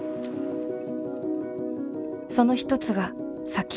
その一つが砂金。